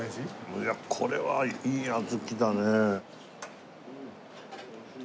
いやこれはいい小豆だねえ。